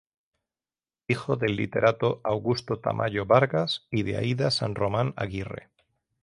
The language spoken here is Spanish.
Hijo del literato Augusto Tamayo Vargas y de Aída San Román Aguirre.